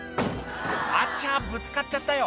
「あちゃぶつかっちゃったよ」